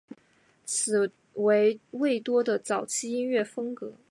此为魏多的早期音乐风格。